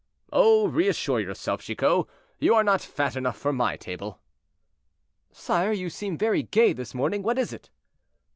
"Oh! reassure yourself, Chicot; you are not fat enough for my table." "Sire, you seem very gay this morning; what is it?"